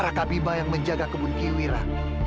rakabima yang menjaga kebun kiwira